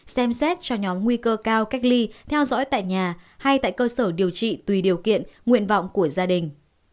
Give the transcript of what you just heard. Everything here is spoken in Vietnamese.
xem xét cho nhóm nguy cơ cao cách ly theo dõi tại nhà hay tại cơ sở điều trị tùy điều kiện nguyện vọng của gia đình